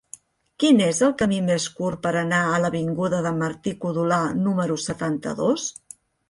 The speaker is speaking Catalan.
Quin és el camí més curt per anar a l'avinguda de Martí-Codolar número setanta-dos?